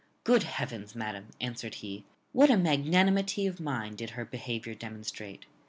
"Good heavens! madam," answered he; "what a magnanimity of mind did her behaviour demonstrate!